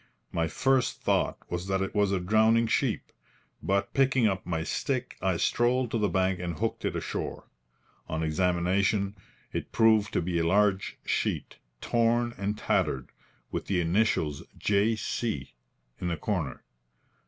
My first thought was that it was a drowning sheep; but picking up my stick, I strolled to the bank and hooked it ashore. On examination it proved to be a large sheet, torn and tattered, with the initials J. C. in the corner.